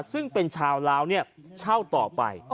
ซึ่งเป็นชาวลาวเช่าต่อไป